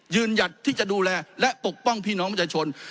ยืนหยัดที่จะดูแลและปกป้องพี่น้องมจชน